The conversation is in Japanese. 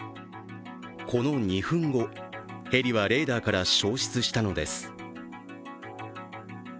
この２分後、ヘリはレーダーから消失したのです。